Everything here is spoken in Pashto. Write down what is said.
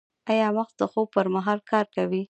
ایا مغز د خوب پر مهال کار کوي؟